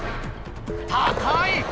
高い！